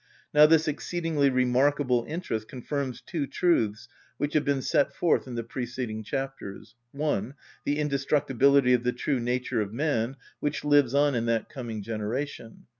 Now this exceedingly remarkable interest confirms two truths which have been set forth in the preceding chapters. (1.) The indestructibility of the true nature of man, which lives on in that coming generation.